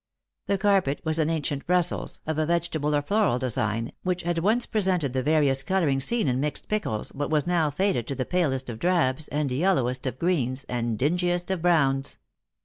The carpet was an ancient Brussels, of a vegetable or floral design, which had once pre sented the various colouring seen in mixed pickles, but was now faded to the palest of drabs, and yellowest of greens, and dingiest of browns.